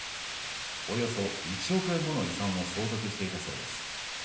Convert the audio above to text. およそ１億円もの遺産を相続していたそうです。